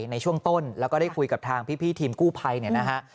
ในช่วงต้นแล้วก็ได้คุยกับทางพี่ทีมกู้ภัยเนี่ยนะฮะ